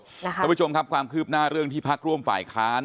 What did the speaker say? คุณผู้ชมครับความคืบหน้าเรื่องที่พักร่วมฝ่ายค้าน